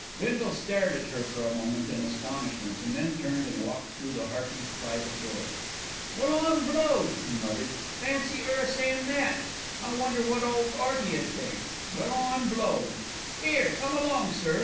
Bindle stared at her for a moment in astonishment, and then turned and walked through the Heartys' private door. "Well, I'm blowed!" he muttered. "Fancy 'er a sayin' that. I wonder wot ole 'Earty 'ud think. Well, I'm blowed! 'Ere, come along, sir!"